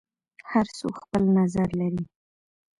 هر څوک خپل نظر لري.